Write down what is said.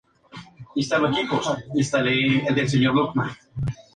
Estos equipos fueron ampliamente usados en ciencia e investigación, así como en empresas.